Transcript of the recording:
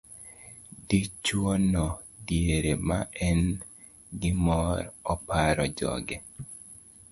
Dichwo no diere ma en gi mor, oparo joge